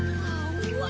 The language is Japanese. うわ！